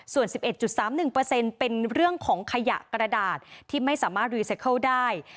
ส่วน๑๑๓๑เป็นเรื่องของขยะกระดาษที่ไม่สามารถรีไซเคิลได้